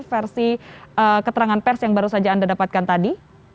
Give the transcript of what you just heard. versi keterangan pers yang baru saja anda dapatkan tadi